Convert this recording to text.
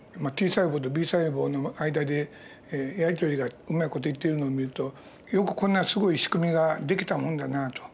Ｔ細胞とＢ細胞の間でやり取りがうまい事いっているのを見るとよくこんなすごいしくみができたもんだなと。